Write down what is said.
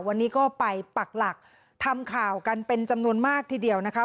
วันนี้ก็ไปปักหลักทำข่าวกันเป็นจำนวนมากทีเดียวนะคะ